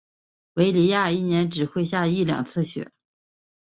韦里亚一年只会下一两次雪。